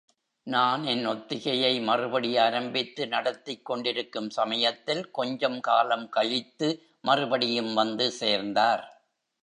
நான் என் ஒத்திகையை மறுபடி ஆரம்பித்து நடத்திக் கொண்டிருக்கும் சமயத்தில் கொஞ்சம் காலம் கழித்து மறுபடியும் வந்து சேர்ந்தார்!